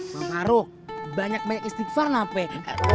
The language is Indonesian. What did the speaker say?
bang paruk banyak istighfar aneh